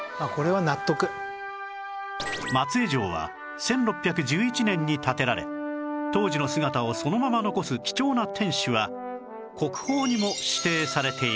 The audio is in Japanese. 松江城は１６１１年に建てられ当時の姿をそのまま残す貴重な天守は国宝にも指定されている